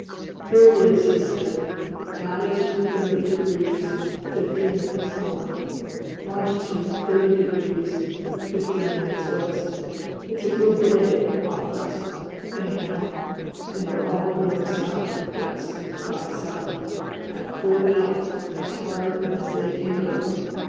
"Here it is," he said, "latitude 30 degrees 50 minutes N. longitude 30 degrees 50 minutes W. It's a good day off us, anyhow, and they're all going south west by south at full pelt as hard as they can go.